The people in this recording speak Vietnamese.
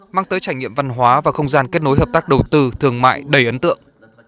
mang tới trải nghiệm văn hóa và không gian kết nối hợp tác đầu tư thương mại đầy ấn tượng